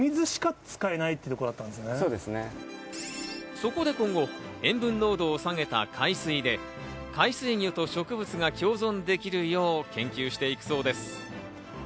そこで今後、塩分濃度を下げた海水で海水魚と植物が共存できるよう研究していくそうです。